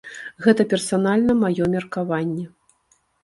Гэта персанальна маё меркаванне.